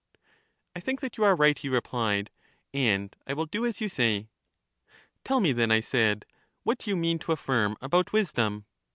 I think that you are right, he replied; and I will do as you say. Tell me, then, I said, what you mean to affirm about wisdom.